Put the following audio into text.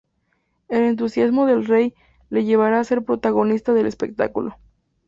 El entusiasmo del rey le llevará a ser protagonista del espectáculo.